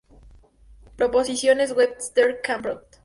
Proposiciones Webster- Crampton